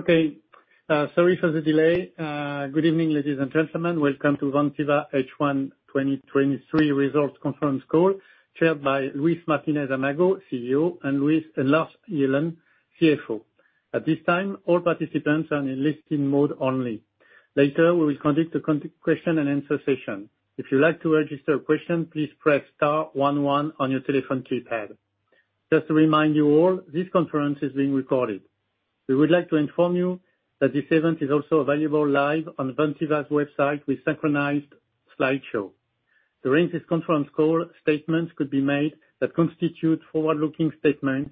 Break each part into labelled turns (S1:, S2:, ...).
S1: Okay, sorry for the delay. Good evening, ladies and gentlemen. Welcome to Vantiva H1 2023 Results Conference Call, chaired by Luis Martinez-Amago, CEO, and Lars Ihlen, CFO. At this time, all participants are in listen mode only. Later, we will conduct a question and answer session. If you'd like to register a question, please press star one one on your telephone keypad. Just to remind you all, this conference is being recorded. We would like to inform you that this event is also available live on Vantiva's website with synchronized slideshow. During this conference call, statements could be made that constitute forward-looking statements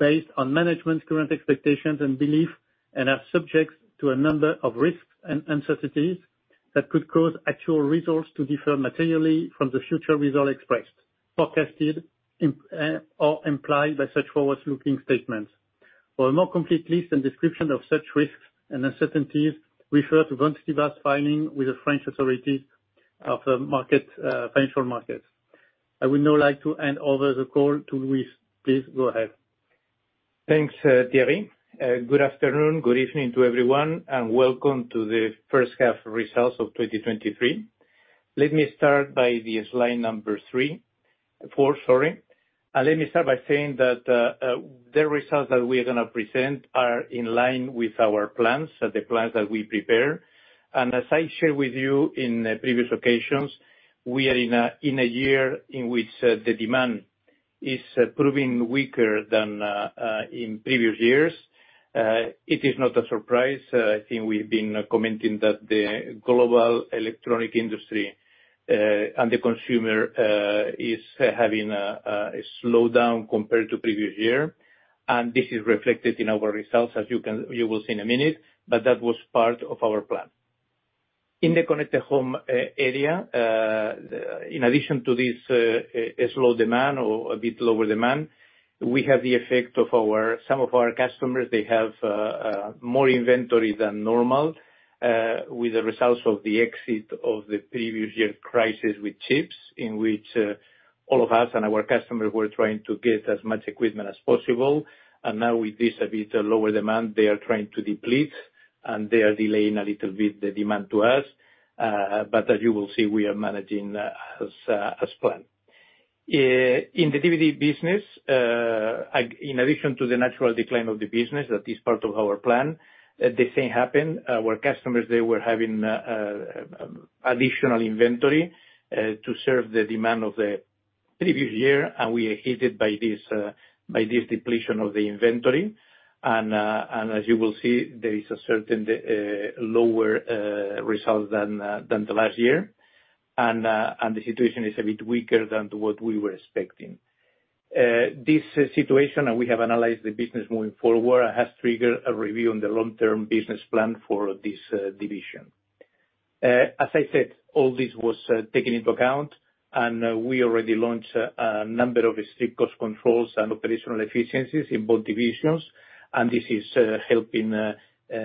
S1: based on management's current expectations and beliefs, and are subject to a number of risks and uncertainties that could cause actual results to differ materially from the future results expressed, forecasted, or implied by such forward-looking statements. For a more complete list and description of such risks and uncertainties, refer to Vantiva's filing with the French authorities of the market, financial markets. I would now like to hand over the call to Luis. Please go ahead.
S2: Thanks, Thierry. Good afternoon, good evening to everyone, and welcome to the first half results of 2023. Let me start by the slide number 3, 4, sorry. Let me start by saying that, the results that we are gonna present are in line with our plans, so the plans that we prepare. As I shared with you in previous occasions, we are in a year in which, the demand is proving weaker than in previous years. It is not a surprise. I think we've been commenting that the global electronic industry, and the consumer, is having a slowdown compared to previous year, and this is reflected in our results as you will see in a minute, but that was part of our plan. In the Connected Home area, in addition to this, a slow demand or a bit lower demand, we have the effect of our, some of our customers, they have more inventory than normal, with the results of the exit of the previous year crisis with chips, in which all of us and our customers were trying to get as much equipment as possible. Now with this a bit lower demand, they are trying to deplete, and they are delaying a little bit the demand to us, but as you will see, we are managing, as planned. In the DVD business, in addition to the natural decline of the business, that is part of our plan, the same happened, our customers, they were having additional inventory to serve the demand of the previous year, and we are hit by this, by this depletion of the inventory. As you will see, there is a certain lower result than the last year. The situation is a bit weaker than what we were expecting. This situation, and we have analyzed the business moving forward, has triggered a review on the long-term business plan for this division. As I said, all this was taken into account, and we already launched a number of strict cost controls and operational efficiencies in both divisions, and this is helping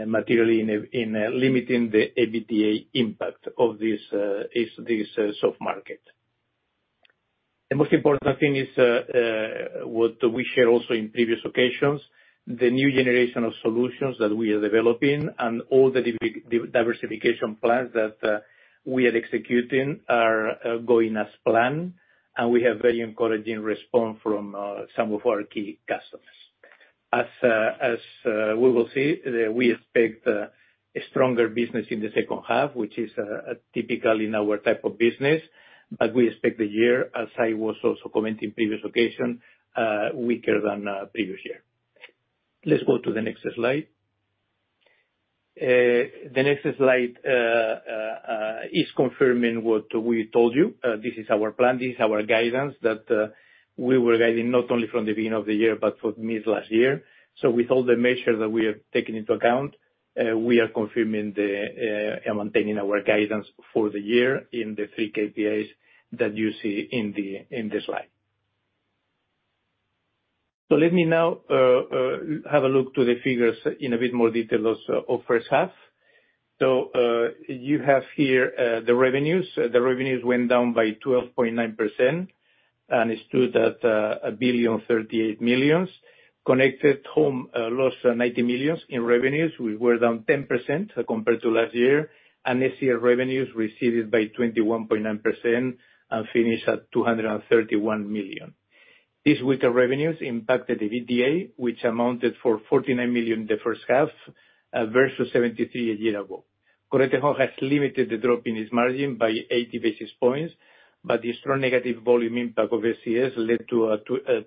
S2: materially in limiting the EBITDA impact of this soft market. The most important thing is what we share also in previous occasions, the new generation of solutions that we are developing and all the diversification plans that we are executing are going as planned, and we have very encouraging response from some of our key customers. As we will see, we expect a stronger business in the second half, which is typical in our type of business, but we expect the year, as I was also commenting previous occasion, weaker than previous year. Let's go to the next slide. The next slide is confirming what we told you. This is our plan, this is our guidance, that we were guiding not only from the beginning of the year, but from mid last year. With all the measures that we have taken into account, we are confirming and maintaining our guidance for the year in the 3 KPIs that you see in the slide. Let me now have a look to the figures in a bit more detail, also of first half. You have here the revenues. The revenues went down by 12.9%, and it stood at 1,038 million. Connected Home lost 90 million in revenues. We were down 10% compared to last year. This year, revenues receded by 21.9% and finished at 231 million. These weaker revenues impacted the EBITDA, which amounted for 49 million in the first half, versus 73 million a year ago. Connected Home has limited the drop in its margin by 80 basis points. The strong negative volume impact of SCS led to a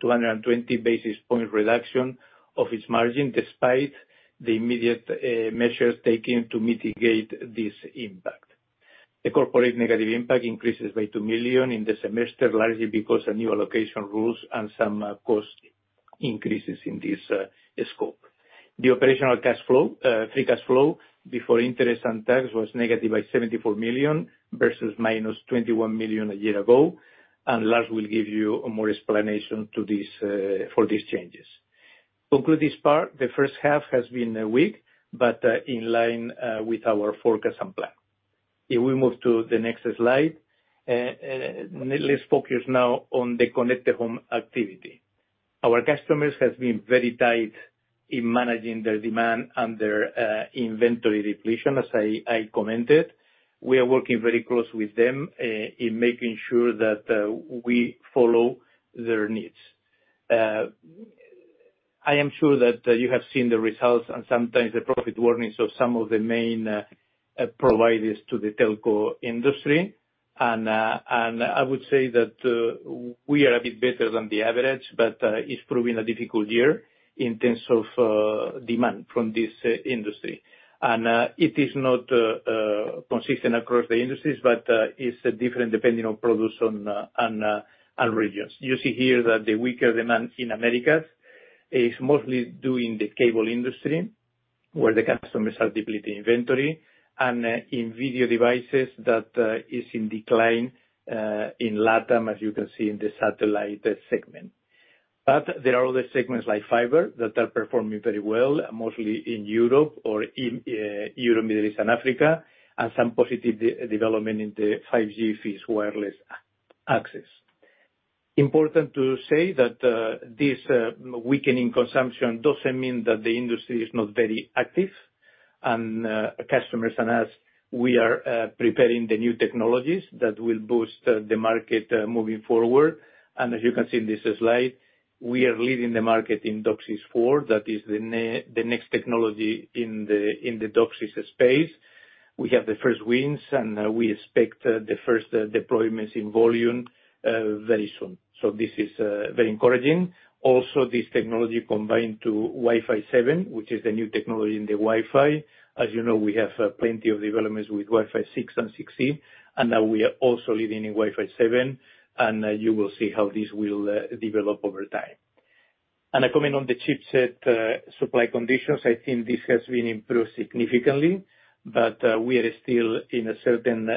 S2: 220 basis point reduction of its margin, despite the immediate measures taken to mitigate this impact. The corporate negative impact increases by 2 million in the semester, largely because of new allocation rules and some cost increases in this scope. The operational cash flow, free cash flow, before interest and tax, was negative by 74 million, versus minus 21 million a year ago. Lars will give you a more explanation to these for these changes. To conclude this part, the first half has been weak, but in line with our forecast and plan. If we move to the next slide, let's focus now on the Connected Home activity. Our customers has been very tight in managing their demand and their inventory depletion, as I commented. We are working very close with them in making sure that we follow their needs. I am sure that you have seen the results and sometimes the profit warnings of some of the main providers to the telco industry. I would say that we are a bit better than the average, but it's proving a difficult year in terms of demand from this industry. It is not consistent across the industries, but it's different depending on products and and regions. You see here that the weaker demand in Americas is mostly due in the cable industry, where the customers are depleting inventory, and in video devices that is in decline in LATAM, as you can see in the satellite segment. There are other segments like fiber, that are performing very well, mostly in Europe or in Europe, Middle East and Africa, and some positive development in the 5G Fixed Wireless Access. Important to say that this weakening consumption doesn't mean that the industry is not very active, customers and us, we are preparing the new technologies that will boost the market moving forward. As you can see in this slide, we are leading the market in DOCSIS 4.0, that is the next technology in the DOCSIS space. We have the first wins, and we expect the first deployments in volume very soon. This is very encouraging. Also, this technology combined to Wi-Fi 7, which is the new technology in the Wi-Fi. As you know, we have plenty of developments with Wi-Fi 6 and 6E, and now we are also leading in Wi-Fi 7, and you will see how this will develop over time. A comment on the chipset supply conditions, I think this has been improved significantly, but we are still in a certain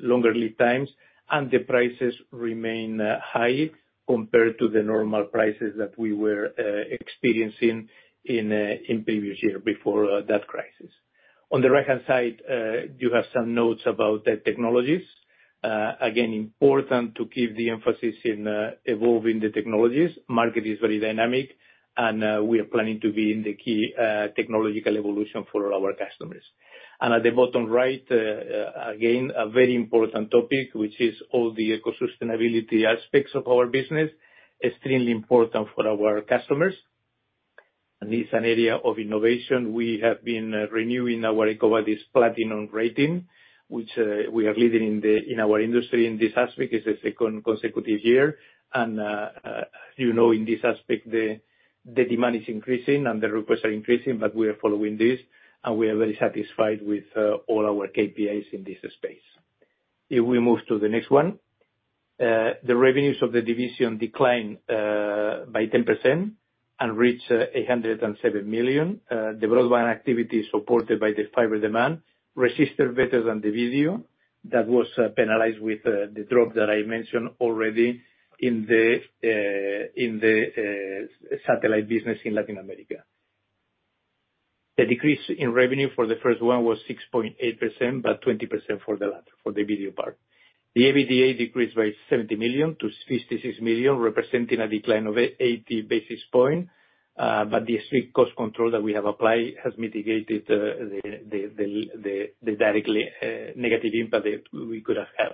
S2: longer lead times, and the prices remain high compared to the normal prices that we were experiencing in previous year before that crisis. On the right-hand side, you have some notes about the technologies. Again, important to keep the emphasis in evolving the technologies. Market is very dynamic, and we are planning to be in the key technological evolution for our customers. At the bottom right, again, a very important topic, which is all the eco-sustainability aspects of our business, extremely important for our customers, and it's an area of innovation. We have been renewing our EcoVadis platinum rating, which we are leading in our industry in this aspect, it's the second consecutive year. You know, in this aspect, the demand is increasing and the requests are increasing, but we are following this, and we are very satisfied with all our KPIs in this space. If we move to the next one, the revenues of the division declined by 10% and reached 807 million. The broadband activity is supported by the fiber demand, registered better than the video, that was penalized with the drop that I mentioned already in the satellite business in Latin America. The decrease in revenue for the first one was 6.8%, but 20% for the latter, for the video part. The EBITDA decreased by 70 million to 66 million, representing a decline of 80 basis point, but the strict cost control that we have applied has mitigated the directly negative impact that we could have had.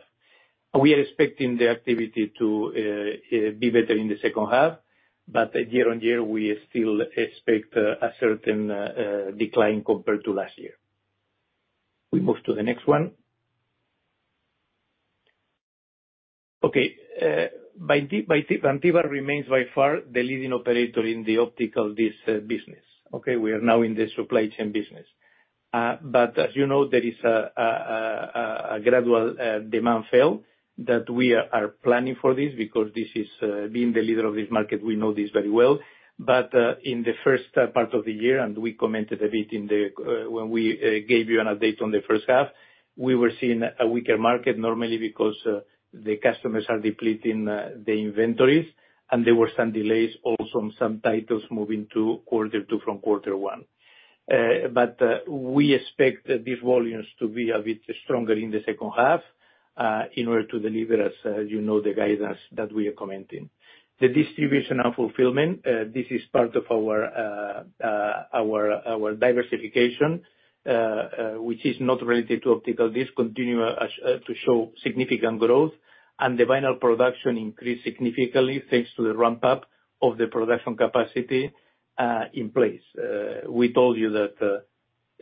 S2: We are expecting the activity to be better in the second half, but year-on-year, we still expect a certain decline compared to last year. We move to the next one. Vantiva remains by far the leading operator in the optical disc business. We are now in the supply chain business. As you know, there is a gradual demand fall that we are planning for this, because this is being the leader of this market, we know this very well. In the first part of the year, and we commented a bit in the when we gave you an update on the first half, we were seeing a weaker market, normally because the customers are depleting the inventories, and there were some delays also on some titles moving to quarter two from quarter one. We expect these volumes to be a bit stronger in the second half, in order to deliver as, as you know, the guidance that we are commenting. The Distribution and Fulfillment, this is part of our diversification, which is not related to optical disc, continue to show significant growth, and the vinyl production increased significantly, thanks to the ramp-up of the production capacity in place. We told you that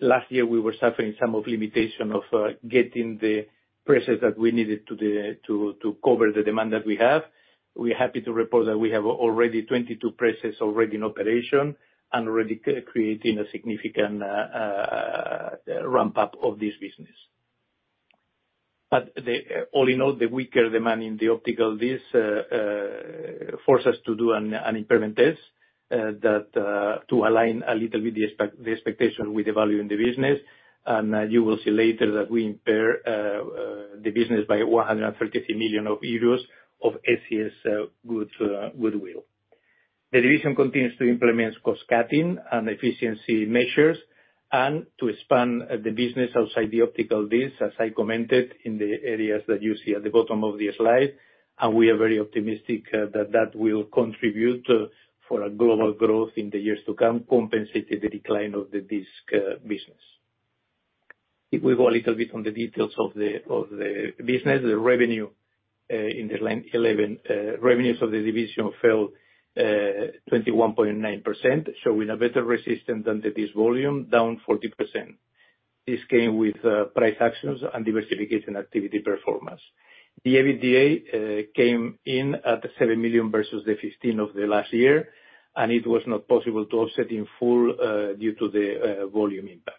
S2: last year, we were suffering some of limitation of getting the presses that we needed to cover the demand that we have. We're happy to report that we have already 22 presses already in operation, and already creating a significant ramp-up of this business. All in all, the weaker demand in the optical discs forced us to do an impairment test that to align a little bit the expectation with the value in the business. You will see later that we impair the business by 130 million euros of SCS goodwill. The division continues to implement cost-cutting and efficiency measures, to expand the business outside the optical disc, as I commented in the areas that you see at the bottom of the slide. We are very optimistic that that will contribute for a global growth in the years to come, compensate the decline of the disc business. If we go a little bit on the details of the business, the revenue in the line 11, revenues of the division fell 21.9%, showing a better resistance than the disc volume, down 40%. This came with price actions and diversification activity performance. The EBITDA came in at 7 million versus the 15 million of the last year, and it was not possible to offset in full due to the volume impact.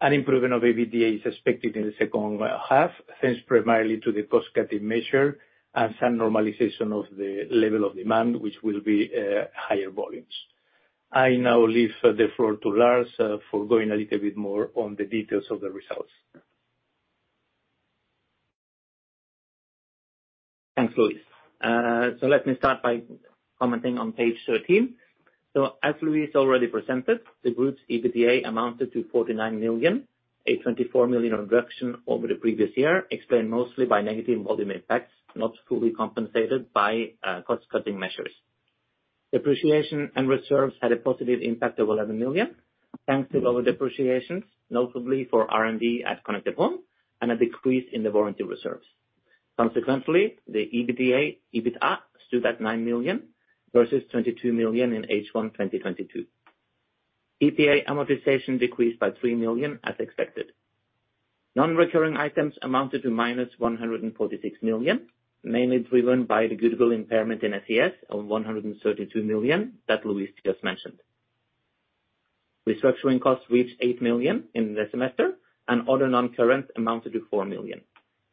S2: An improvement of EBITDA is expected in the second half, thanks primarily to the cost cutting measure and some normalization of the level of demand, which will be higher volumes. I now leave the floor to Lars for going a little bit more on the details of the results.
S3: Thanks, Luis. Let me start by commenting on page 13. As Luis already presented, the group's EBITDA amounted to $49 million, a $24 million reduction over the previous year, explained mostly by negative volume impacts, not fully compensated by cost cutting measures. Depreciation and reserves had a positive impact of $11 million, thanks to lower depreciation, notably for R&D at Connected Home, and a decrease in the warranty reserves. Consequently, the EBITDA, EBITA, stood at $9 million versus $22 million in H1 2022. EBITDA amortization decreased by $3 million as expected. Non-recurring items amounted to -$146 million, mainly driven by the goodwill impairment in SCS of $132 million that Luis just mentioned. Restructuring costs reached $8 million in the semester, and other non-current amounted to $4 million.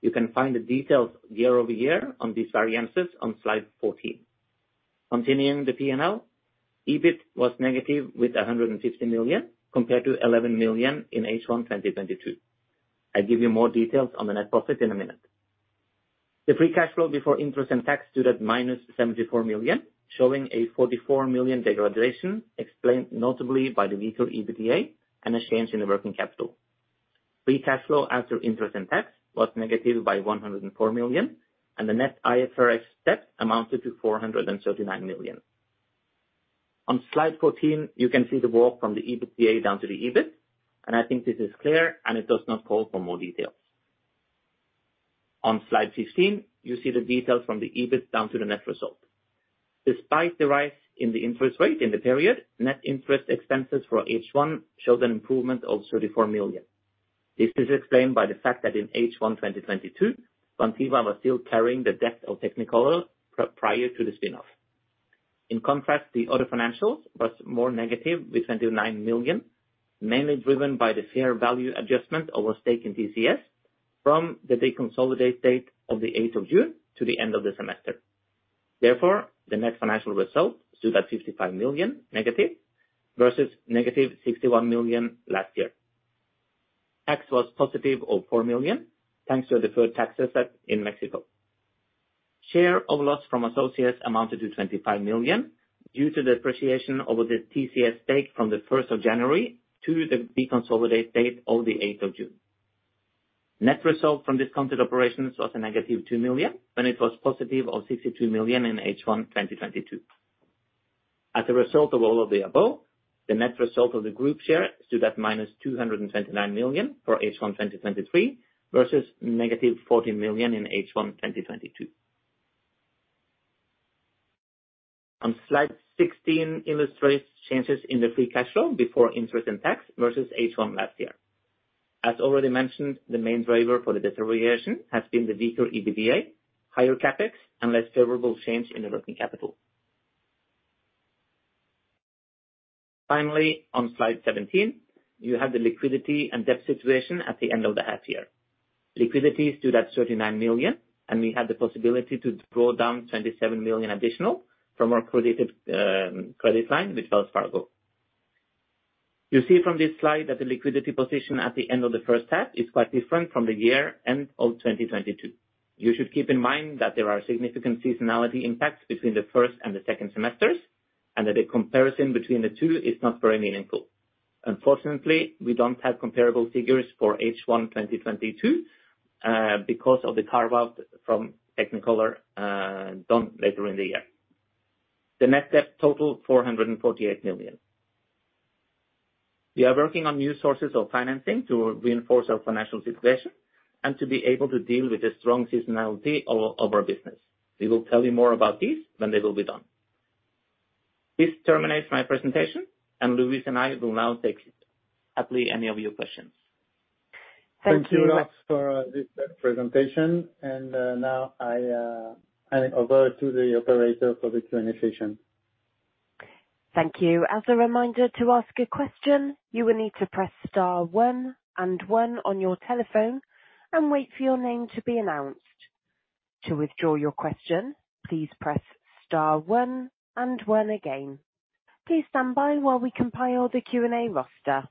S3: You can find the details year-over-year on these variances on slide 14. Continuing the P&L, EBIT was negative with 150 million, compared to 11 million in H1 2022. I'll give you more details on the net profit in a minute. The free cash flow before interest and tax stood at minus 74 million, showing a 44 million degradation, explained notably by the weaker EBITDA and a change in the working capital. Free cash flow after interest and tax was negative by 104 million, and the net IFRS step amounted to 439 million. On slide 14, you can see the walk from the EBITDA down to the EBIT, and I think this is clear, and it does not call for more details. On Slide 16, you see the details from the EBIT down to the net result. Despite the rise in the interest rate in the period, net interest expenses for H1 showed an improvement of 34 million. This is explained by the fact that in H1, 2022, Vantiva was still carrying the debt of Technicolor prior to the spin-off. The other financials was more negative with 29 million, mainly driven by the fair value adjustment over stake in TCS, from the deconsolidated date of the 8th of June to the end of the semester. The net financial result stood at 55 million negative, versus negative 61 million last year. Tax was positive of 4 million, thanks to a deferred tax asset in Mexico. Share of loss from associates amounted to 25 million, due to the appreciation over the TCS stake from the 1st of January to the deconsolidated date of the 8th of June. Net result from discounted operations was a negative 2 million. It was positive of 62 million in H1 2022. As a result of all of the above, the net result of the group share stood at minus 229 million for H1 2023, versus negative 40 million in H1 2022. On Slide 16 illustrates changes in the free cash flow before interest and tax versus H1 last year. As already mentioned, the main driver for the deterioration has been the weaker EBITDA, higher CapEx, and less favorable change in the working capital. Finally, on Slide 17, you have the liquidity and debt situation at the end of the half year. Liquidity stood at 39 million, and we had the possibility to draw down 27 million additional from our credited credit line with Wells Fargo. You see from this slide that the liquidity position at the end of the first half is quite different from the year end of 2022. You should keep in mind that there are significant seasonality impacts between the first and the second semesters, that the comparison between the two is not very meaningful. Unfortunately, we don't have comparable figures for H1 2022 because of the carve-out from Technicolor done later in the year. The net debt total, 448 million. We are working on new sources of financing to reinforce our financial situation, to be able to deal with the strong seasonality of our business. We will tell you more about this when they will be done. This terminates my presentation, Luis and I will now take happily any of your questions.
S2: Thank you, Lars, for this presentation. Now I hand over to the operator for the Q&A session.
S4: Thank you. As a reminder, to ask a question, you will need to press star one and one on your telephone and wait for your name to be announced. To withdraw your question, please press star one and one again. Please stand by while we compile the Q&A roster.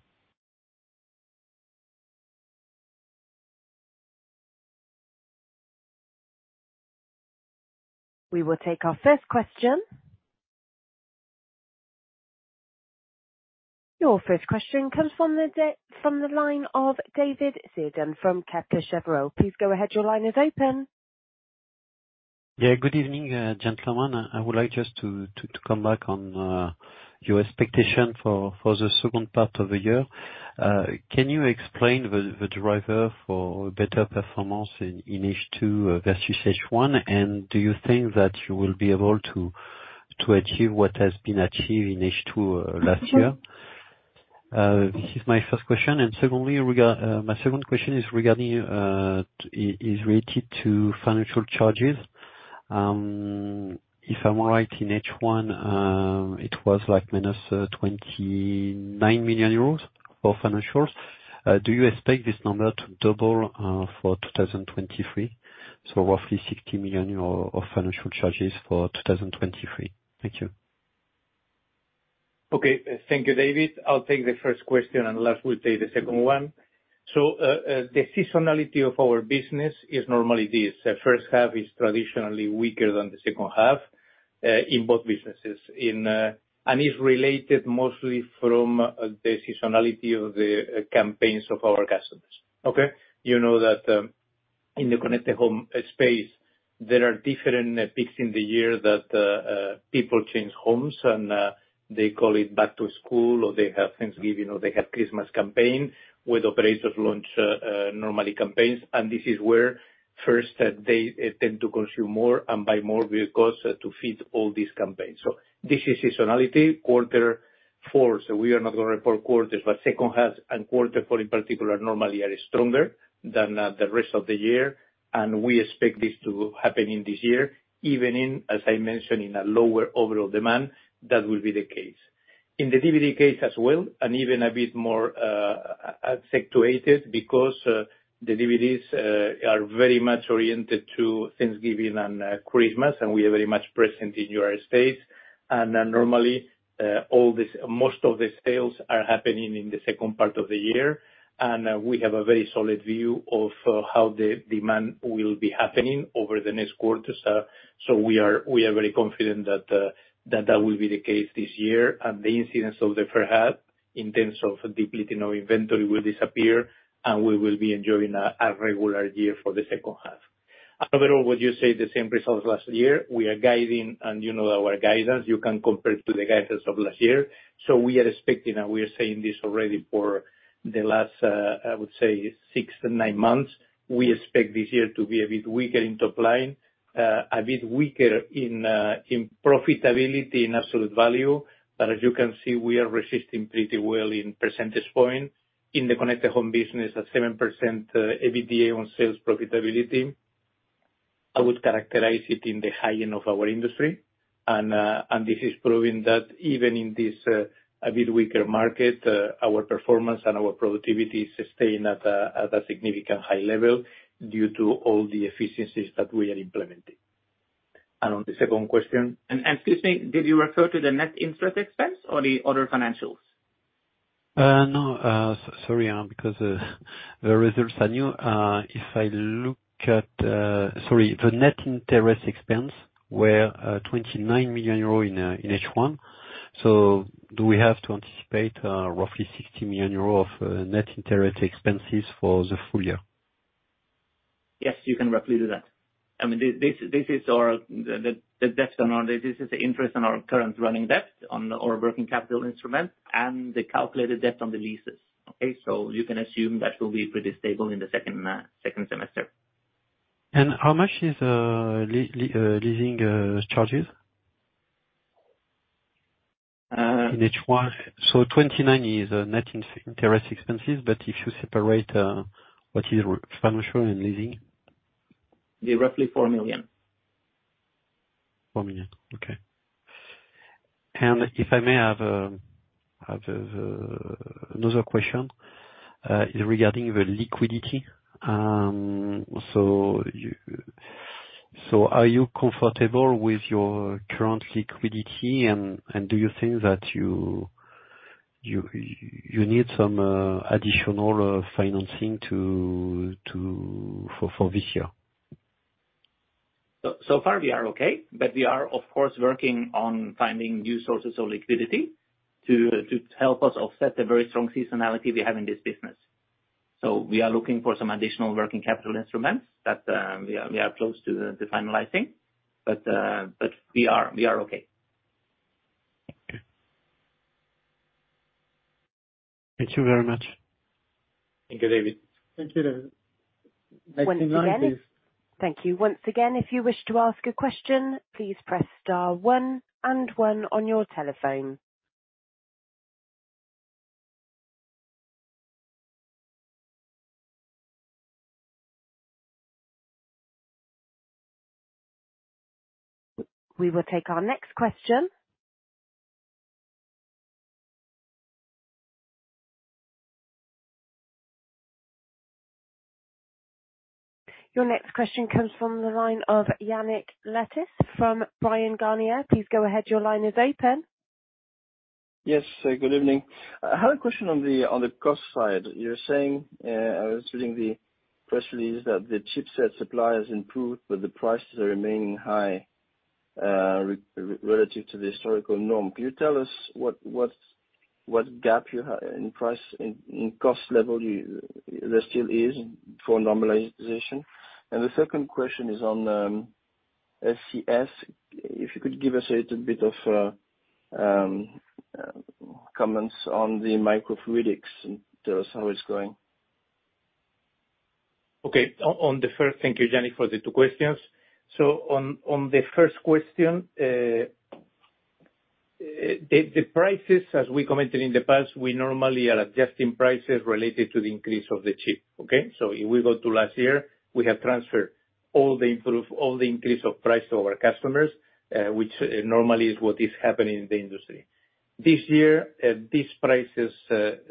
S4: We will take our first question. Your first question comes from the line of David Cerdan from Kepler Cheuvreux. Please go ahead. Your line is open.
S5: Yeah, good evening, gentlemen. I would like just to come back on your expectation for the second part of the year. Can you explain the driver for better performance in H2 versus H1, and do you think that you will be able to achieve what has been achieved in H2 last year? This is my first question. Secondly, my second question is related to financial charges. If I'm right, in H1, it was like -29 million euros for financials. Do you expect this number to double for 2023? Roughly 60 million euro of financial charges for 2023. Thank you.
S2: Okay. Thank you, David. I'll take the first question. Lars we take the second one. The seasonality of our business is normally this, the first half is traditionally weaker than the second half in both businesses. It's related mostly from the seasonality of the campaigns of our customers. Okay? You know that in the Connected Home space, there are different peaks in the year that people change homes, they call it back to school, or they have Thanksgiving, or they have Christmas campaign, with operators launch normally campaigns. This is where first they tend to consume more and buy more vehicles to fit all these campaigns. This is seasonality quarter four. We are not going to report quarters, but second half and quarter four in particular, normally are stronger than the rest of the year, and we expect this to happen in this year, even in, as I mentioned, in a lower overall demand, that will be the case. In the DVD case as well, and even a bit more fluctuated, because the DVDs are very much oriented to Thanksgiving and Christmas, and we are very much present in United States. Normally, all this, most of the sales are happening in the second part of the year. We have a very solid view of how the demand will be happening over the next quarters. We are very confident that will be the case this year. The incidents of the first half, in terms of depleting our inventory, will disappear, and we will be enjoying a regular year for the second half. Overall, would you say the same results last year? We are guiding, and you know our guidance, you can compare it to the guidance of last year. We are expecting, and we are saying this already for the last, I would say 6 to 9 months, we expect this year to be a bit weaker in top line, a bit weaker in profitability, in absolute value. As you can see, we are resisting pretty well in percentage point, in the Connected Home business, at 7% EBITDA on sales profitability. I would characterize it in the high end of our industry, and this is proving that even in this a bit weaker market, our performance and our productivity sustain at a significant high level due to all the efficiencies that we are implementing. On the second question? Excuse me, did you refer to the net interest expense or the other financials?
S5: No. Sorry, because the results are new. Sorry, the net interest expense were 29 million euro in H1. Do we have to anticipate, roughly 60 million euro of net interest expenses for the full year?
S2: Yes, you can roughly do that. I mean, this is the interest on our current running debt, on our working capital instrument, and the calculated debt on the leases. Okay. You can assume that will be pretty stable in the second semester.
S5: How much is leasing charges?
S2: Uh-
S5: In H1. 29 is net interest expenses, but if you separate what is financial and leasing.
S2: Yeah, roughly 4 million.
S5: 4 million. Okay. If I may have another question regarding the liquidity. Are you comfortable with your current liquidity, and do you think that you need some additional financing to for this year?
S2: So far we are okay, but we are of course, working on finding new sources of liquidity to help us offset the very strong seasonality we have in this business. We are looking for some additional working capital instruments that we are close to finalizing, but we are okay.
S5: Okay. Thank you very much.
S2: Thank you, David.
S4: Thank you, David. Next in line, please. Thank you once again. If you wish to ask a question, please press star one and one on your telephone. We will take our next question. Your next question comes from the line of Yannick Lettel, from Bryan, Garnier. Please go ahead. Your line is open.
S6: Yes, good evening. I had a question on the cost side. You're saying, I was reading the press release, that the chipset supply has improved, but the prices are remaining high, relative to the historical norm. Can you tell us what gap you have in price, in cost level there still is for normalization? The second question is on SCS, if you could give us a little bit of comments on the microfluidics and tell us how it's going.
S2: Thank you, Yannick, for the two questions. On the first question, the prices, as we commented in the past, we normally are adjusting prices related to the increase of the chip, okay? If we go to last year, we have transferred all the increase of price to our customers, which normally is what is happening in the industry. This year, these prices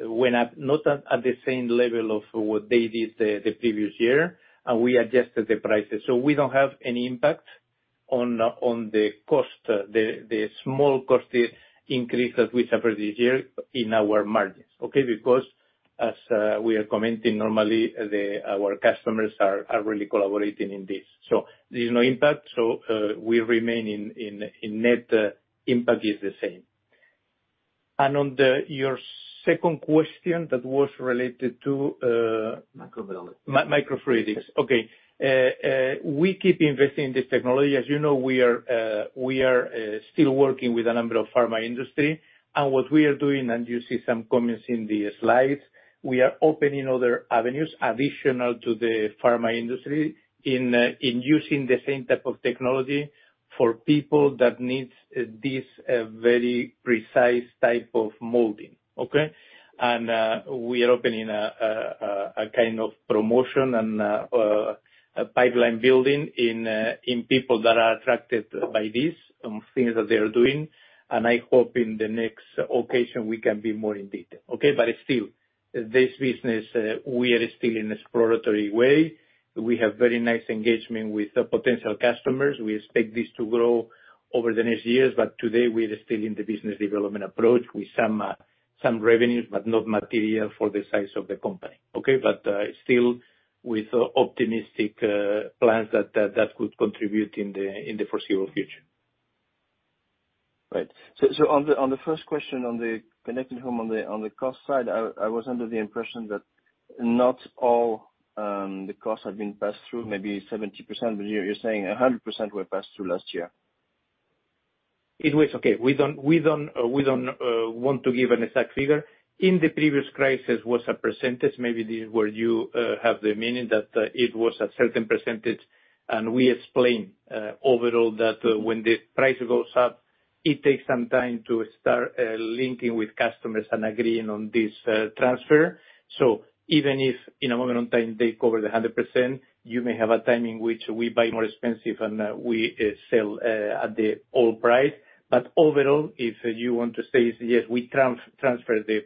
S2: went up, not at the same level of what they did the previous year, and we adjusted the prices. We don't have any impact on the cost, the small cost increase that we suffered this year in our margins, okay? Because as we are commenting normally, our customers are really collaborating in this. There is no impact, so, we remain in net, impact is the same. On the, your second question that was related to.
S6: Microfluidics.
S2: Microfluidics. Okay. We keep investing in this technology. As you know, we are still working with a number of pharma industry. What we are doing, you see some comments in the slides, we are opening other avenues additional to the pharma industry in using the same type of technology for people that needs this very precise type of molding, okay? We are opening a kind of promotion and a pipeline building in people that are attracted by this, on things that they are doing. I hope in the next occasion we can be more in detail, okay? Still, this business, we are still in exploratory way. We have very nice engagement with the potential customers. We expect this to grow over the next years. Today we are still in the business development approach with some, some revenues, but not material for the size of the company, okay? Still with optimistic, plans that could contribute in the foreseeable future.
S6: Right. On the first question, on the Connected Home, on the cost side, I was under the impression that not all the costs have been passed through, maybe 70%, but you're saying 100% were passed through last year.
S2: It was okay. We don't want to give an exact figure. In the previous crisis was a percentage, maybe this is where you have the meaning that it was a certain percentage. We explained overall that when the price goes up, it takes some time to start linking with customers and agreeing on this transfer. Even if in a moment in time, they cover the 100%, you may have a time in which we buy more expensive and we sell at the old price. Overall, if you want to say is, yes, we transfer the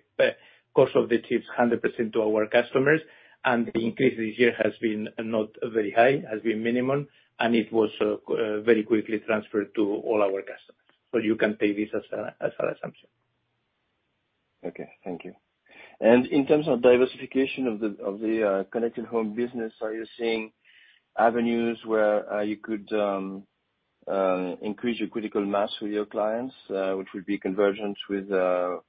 S2: cost of the chips 100% to our customers, and the increase this year has been not very high, has been minimum, and it was very quickly transferred to all our customers. You can take this as an assumption.
S6: Okay, thank you. In terms of diversification of the Connected Home business, are you seeing avenues where you could increase your critical mass with your clients, which would be convergence with the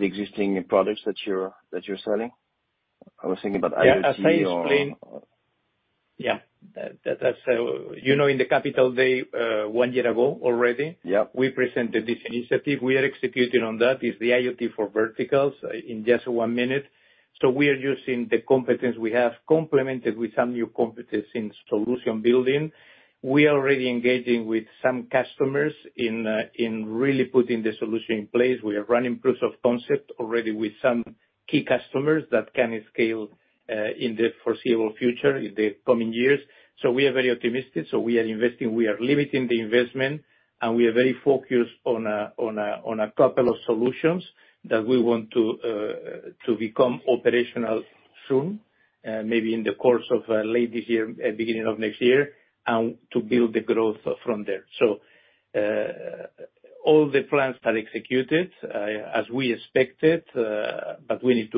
S6: existing products that you're selling? I was thinking about IoT or.
S2: Yeah, as I explained... Yeah, that's, you know, in the Capital Day, one year ago already...
S6: Yeah.
S2: We presented this initiative. We are executing on that, is the IoT for verticals, in just 1 minute. We are using the competence we have, complemented with some new competencies in solution building. We are already engaging with some customers in really putting the solution in place. We are running proofs of concept already with some key customers that can scale in the foreseeable future, in the coming years. We are very optimistic. We are investing, we are limiting the investment, and we are very focused on a couple of solutions that we want to become operational soon, maybe in the course of late this year, beginning of next year, and to build the growth from there. All the plans are executed, as we expected, but we need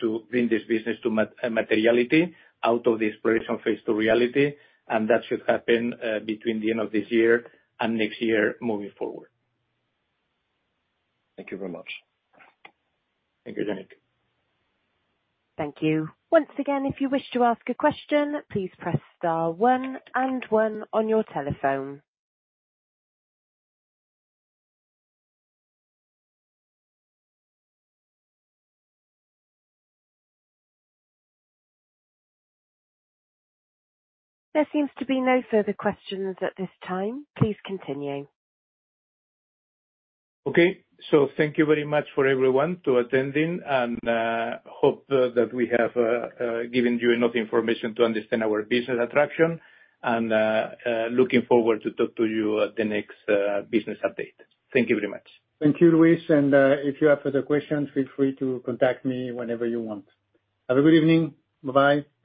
S2: to bring this business to materiality out of the exploration phase to reality, and that should happen between the end of this year and next year, moving forward.
S6: Thank you very much.
S2: Thank you, Yannick.
S4: Thank you. Once again, if you wish to ask a question, please press star one and one on your telephone. There seems to be no further questions at this time. Please continue.
S2: Okay. Thank you very much for everyone to attending, and hope that we have given you enough information to understand our business attraction, and looking forward to talk to you at the next business update. Thank you very much.
S1: Thank you, Luis, and if you have further questions, feel free to contact me whenever you want. Have a good evening. Bye-bye.